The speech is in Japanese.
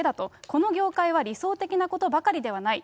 この業界は理想的なことばかりではない。